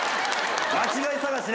間違い探しね。